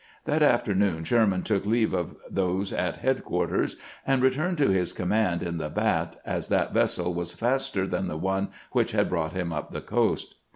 That afternoon Sherman took leave of those at head quarters, and returned to his command in the Bat, as that vessel was faster than the one which had brought him up the coast.